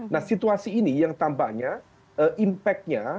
nah situasi ini yang tambahnya impact nya